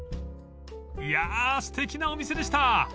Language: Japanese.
［いやすてきなお店でした］